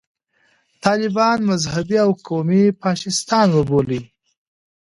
طالبان مذهبي او قومي فاشیستان وبولي.